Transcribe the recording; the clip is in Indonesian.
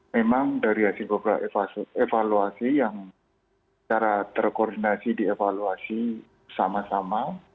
memang dari hasil beberapa evaluasi yang secara terkoordinasi dievaluasi sama sama